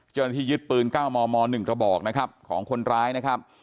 เจ้าหน้าที่ยึดปืน๙มม๑กระบอกนะครับของคนร้ายนะครับ